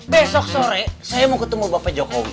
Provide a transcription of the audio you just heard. besok sore saya mau ketemu bapak jokowi